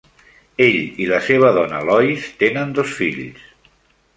Ell i la seva dona Lois tenen dos fills.